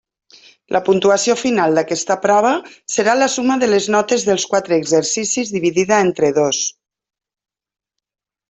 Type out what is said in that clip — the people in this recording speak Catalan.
La puntuació final d'aquesta prova serà la suma de les notes dels quatre exercicis dividida entre dos.